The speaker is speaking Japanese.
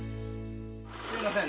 すいません。